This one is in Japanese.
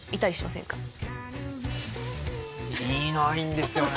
いないんですよね。